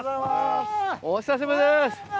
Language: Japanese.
お久しぶりです。